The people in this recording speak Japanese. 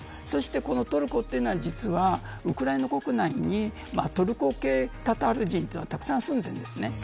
そしてトルコというのは実はウクライナ国内にトルコ系タタール人というのがたくさん住んでいるんですね。